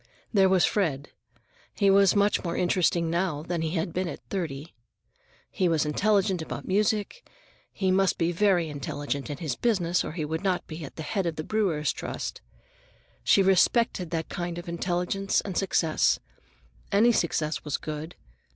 There was Fred; he was much more interesting now than he had been at thirty. He was intelligent about music, and he must be very intelligent in his business, or he would not be at the head of the Brewers' Trust. She respected that kind of intelligence and success. Any success was good.